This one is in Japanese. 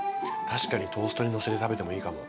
確かにトーストにのせて食べてもいいかも。